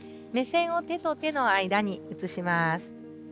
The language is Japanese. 目線を手と手の間に移します。